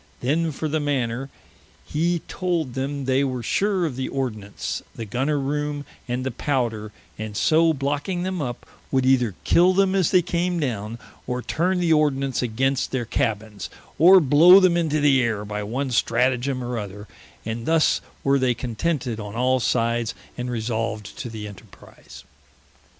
Then for the manner, hee told them, they were sure of the Ordnance, the Gunner roome, and the Powder, and so blocking them up, would eyther kill them as they came downe, or turne the Ordnance against their Cabbins, or blow them into the Ayre by one Strategeme or other; and thus were they contented on all sides, and resolved to the Enterprize.